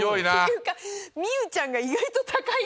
望結ちゃんが意外と高い。